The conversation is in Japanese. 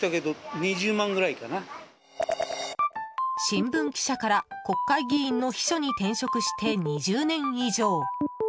新聞記者から国会議員の秘書に転職して２０年以上。